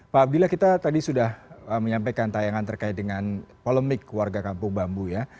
pak abdillah kita tadi sudah menyampaikan tayangan terkait dengan polemik warga kampung bambu ya